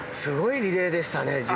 すごいリレーでしたね